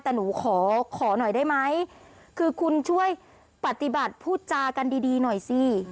แต่หนูขอขอหน่อยได้ไหมคือคุณช่วยปฏิบัติพูดจากันดีดีหน่อยสิ